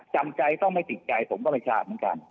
จำใจต้องไม่ติดใจผมก็ไม่ทราบเหมือนกัน